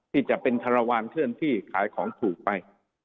ที่จะเป็นคารวาลเคลื่อนที่ขายของถูกไป